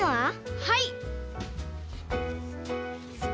はい！